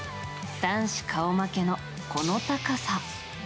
男子顔負けのこの高さ。